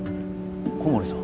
小森さん。